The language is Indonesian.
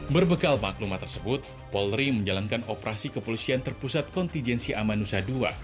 berbekal maklumat tersebut polri menjalankan operasi kepolisian terpusat kontijensi amanusa ii